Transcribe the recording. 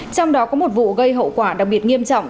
trong đó có một vụ gây hậu quả đặc biệt nghiêm trọng